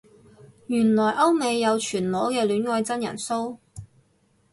原來歐美有全裸嘅戀愛真人騷